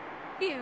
え？